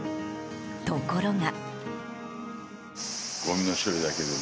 ところが。